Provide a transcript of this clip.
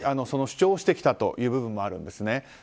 そう主張してきた部分もあるんですね。